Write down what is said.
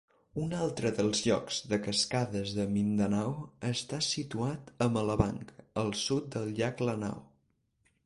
Un altre dels llocs de cascades de Mindanao està situat a Malabang, al sud del llac Lanao.